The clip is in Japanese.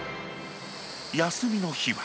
休みの日は。